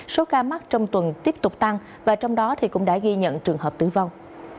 số ca mắc trong tuần tiếp tục tăng và trong đó cũng đã ghi nhận trường hợp tử vong